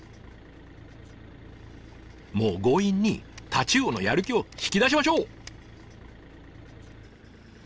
もう強引にタチウオのやる気を引き出しましょう！